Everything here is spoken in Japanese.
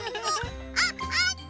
あっあった！